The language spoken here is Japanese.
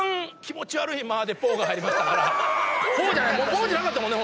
「ぽー」じゃなかったもんね。